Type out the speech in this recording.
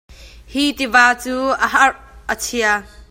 Hi tiva cu a hrah a chia.